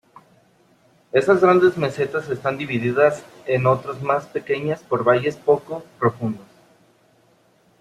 Estas grandes mesetas están divididas en otros más pequeñas por valles poco profundos.